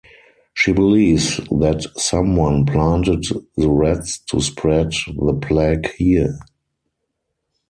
She believes that someone planted the rats to spread the plague here.